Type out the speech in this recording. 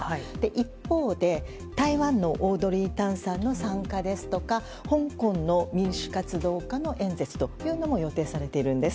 一方で台湾のオードリー・タンさんの参加ですとか香港の民主活動家の演説というのも予定されているんです。